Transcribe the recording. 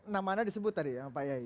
namanya disebut tadi ya pak yay